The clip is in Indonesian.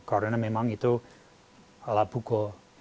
karena memang itu alat pukul